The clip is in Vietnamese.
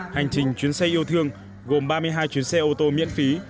hành trình chuyến xây ưu thương gồm ba mươi hai chuyến xe ô tô miễn phí